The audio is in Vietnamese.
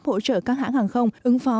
hỗ trợ các hãng hàng không ứng phó